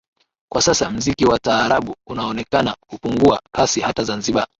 Kwa sasa mziki wa taarabu unaonekana kupungua kasi hata zanzibar